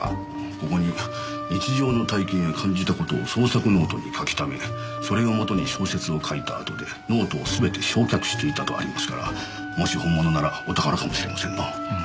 ここに「日常の体験や感じたことを創作ノートに書きためそれを元に小説を書いた後でノートをすべて焼却していた」とありますからもし本物ならお宝かもしれませんな。